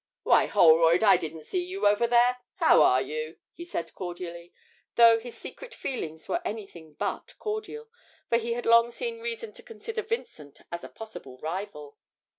'Why, Holroyd, I didn't see you over there. How are you?' he said cordially, though his secret feelings were anything but cordial, for he had long seen reason to consider Vincent as a possible rival.